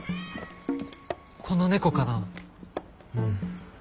この猫かなあ。